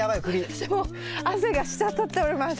私も汗が滴っております。